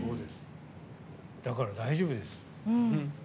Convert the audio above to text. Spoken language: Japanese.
だから、大丈夫です。